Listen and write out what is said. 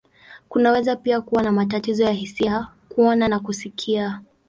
Kunaweza pia kuwa na matatizo ya hisia, kuona, na kusikia.